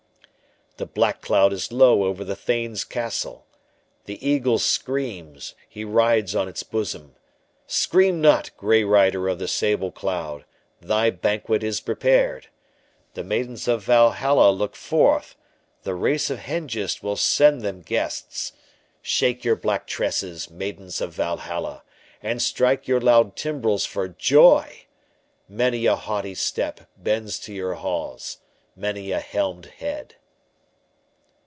The black cloud is low over the thane's castle The eagle screams—he rides on its bosom. Scream not, grey rider of the sable cloud, Thy banquet is prepared! The maidens of Valhalla look forth, The race of Hengist will send them guests. Shake your black tresses, maidens of Valhalla! And strike your loud timbrels for joy! Many a haughty step bends to your halls, Many a helmed head.